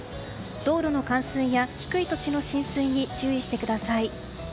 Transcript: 道路の冠水や、低い土地の浸水に注意してください。